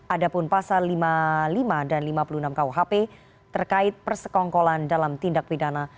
ada pun pasal lima puluh lima dan lima puluh enam kuhp terkait persekongkolan dalam tindak pidana